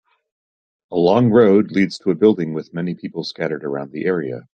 A long road leads to a building with many people scattered around the area.